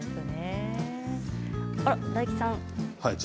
大吉さん。